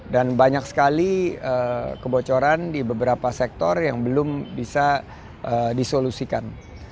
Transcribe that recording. dan banyak sekali kebocoran di beberapa sektor yang belum bisa disolusikan